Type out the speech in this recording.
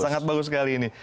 sangat bagus sekali ini